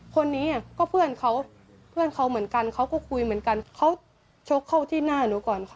คนนี้ก็เพื่อนเขาเพื่อนเขาเหมือนกันเขาก็คุยเหมือนกันเขาชกเข้าที่หน้าหนูก่อนค่ะ